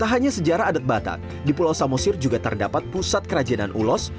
tak hanya sejarah adat batak di pulau samosir juga terdapat pusat kerajinan ulos